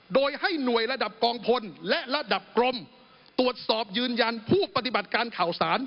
โดยให้หน่วยระดับกองพลและระดับกรมตรวจสอบยืนยันผู้ปฏิบัติการข่าวสาร